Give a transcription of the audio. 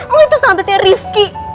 lu itu sahabatnya rifki